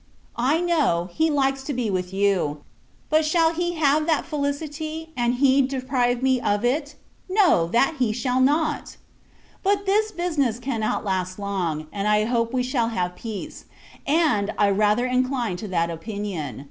I know, he likes to be with you: but, shall he have that felicity, and he deprive me of it? No; that he shall not! But this business cannot last long, and I hope we shall have peace; and, I rather incline to that opinion.